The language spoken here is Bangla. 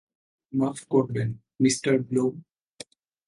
মাফ করবেন, মিঃ ব্লুম।